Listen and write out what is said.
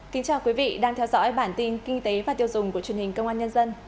kính chào quý vị đang theo dõi bản tin kinh tế và tiêu dùng của truyền hình công an nhân dân